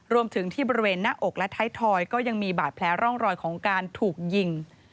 รวมถึงที่บริเวณหน้าอกและท้ายทอยก็ยังมีบาดแผลร่องรอยของการถูกยิง